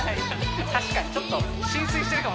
確かにちょっとうわ！